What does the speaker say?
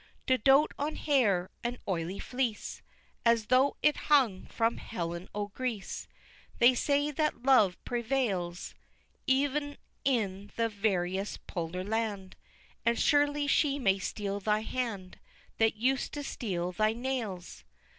XV. To dote on hair, an oily fleece! As tho' it hung from Helen o' Greece They say that love prevails Ev'n in the veriest polar land And surely she may steal thy hand That used to steal thy nails!